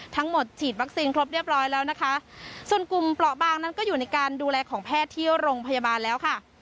ฉีดวัคซีนครบเรียบร้อยแล้วนะคะส่วนกลุ่มเปราะบางนั้นก็อยู่ในการดูแลของแพทย์ที่โรงพยาบาลแล้วค่ะ